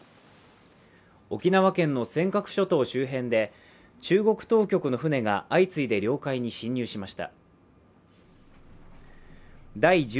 沖縄県の尖閣諸島周辺で中国当局の船が相次いで領海に侵入しました。